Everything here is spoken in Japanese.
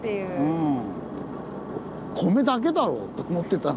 うん。